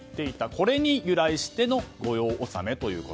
これに由来しての御用納めだと。